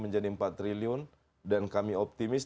menjadi empat triliun dan kami optimis